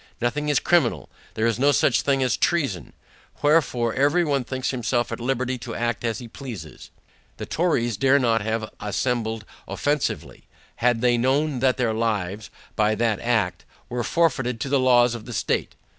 Nothing is criminal; there is no such thing as treason; wherefore, every one thinks himself at liberty to act as he pleases. The Tories dared not have assembled offensively, had they known that their lives, by that act, were forfeited to the laws of the state.